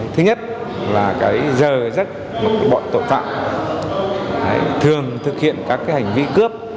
thứ nhất là giờ giấc bọn tội phạm thường thực hiện các hành vi cướp